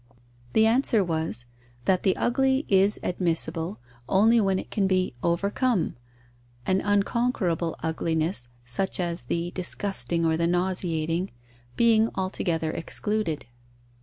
The answer was: that the ugly is admissible, only when it can be overcome, an unconquerable ugliness, such as the disgusting or the nauseating, being altogether excluded.